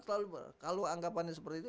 kalau anggapannya seperti itu